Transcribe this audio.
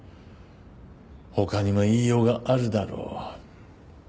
他にも言いようがあるだろう。